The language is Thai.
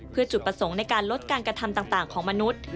เพื่อจุดประสงค์ในการลดการกระทำต่างของมนุษย์